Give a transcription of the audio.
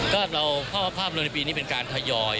ก็เราเข้าพระภาพประเมินปีนี้เป็นการทยอย